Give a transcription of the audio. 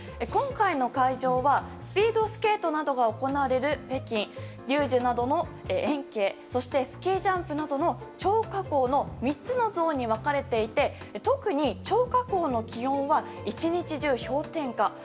今回の会場はスピードスケートなどが行われる北京リュージュなどの延慶、そしてスキージャンプなどの張家口の３つのゾーンに分かれていて特に張家口の気温は一日中氷点下。